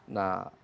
nah ini dikira kira